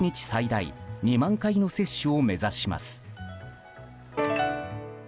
最大２万回の接種を目指します。